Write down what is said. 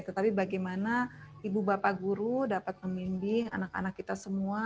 tetapi bagaimana ibu bapak guru dapat memimbing anak anak kita semua